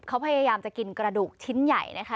เขาพยายามจะกินกระดูกชิ้นใหญ่นะคะ